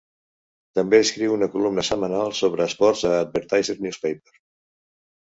També escriu una columna setmanal sobre esports a l'Advertiser Newspaper.